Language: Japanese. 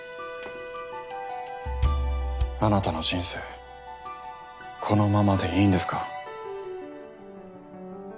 あなたの人生このままでいいんですか？